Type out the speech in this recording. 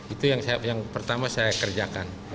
itu yang pertama saya kerjakan